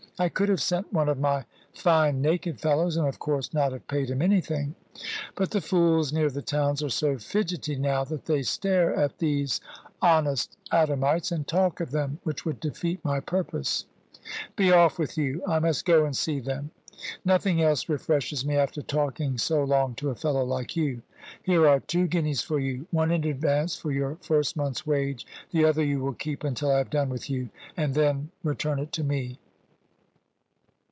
I could have sent one of my fine naked fellows, and of course not have paid him anything. But the fools near the towns are so fidgety now that they stare at these honest Adamites, and talk of them which would defeat my purpose. Be off with you! I must go and see them. Nothing else refreshes me after talking so long to a fellow like you. Here are two guineas for you one in advance for your first month's wage; the other you will keep until I have done with you, and then return it to me."